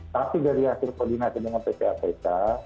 tapi dari hasil koordinasi dengan pca pca